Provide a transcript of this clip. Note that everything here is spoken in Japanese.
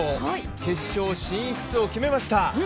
決勝進出を決めました！